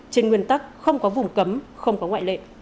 trên nguyên tắc không có vùng cấm không có ngoại lệ